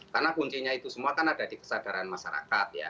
karena kuncinya itu semua kan ada di kesadaran masyarakat ya